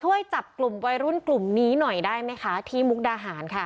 ช่วยจับกลุ่มวัยรุ่นกลุ่มนี้หน่อยได้ไหมคะที่มุกดาหารค่ะ